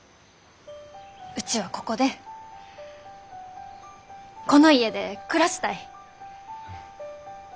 うちはここでこの家で暮らしたい。